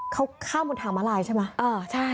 เขาข้ามบนทางมาลายใช่ไหม